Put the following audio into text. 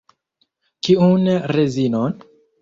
Kiun rezinon?